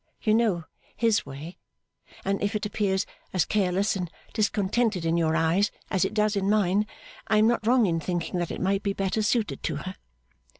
You know his way, and if it appears as careless and discontented in your eyes as it does in mine, I am not wrong in thinking that it might be better suited to her.